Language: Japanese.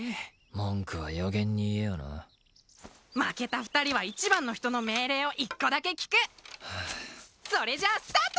文句は予言に言えよな負けた二人は一番の人の命令を一個だけ聞くそれじゃあスタート！